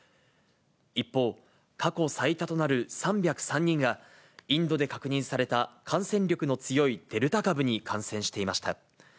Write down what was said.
一方、過去最多となる３０３人が、インドで確認された感染力の強いデルタ株に感染していました。